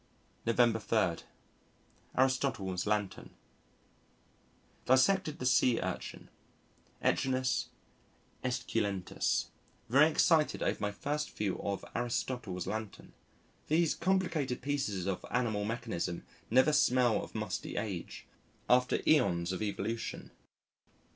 November 3. Aristotle's Lantern Dissected the Sea Urchin (Echinus esculentus). Very excited over my first view of Aristotle's Lantern. These complicated pieces of animal mechanism never smell of musty age after æons of evolution.